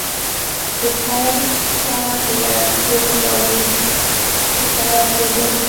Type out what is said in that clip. د خير کار لږ زور غواړي؛ خو ثواب ډېر لري.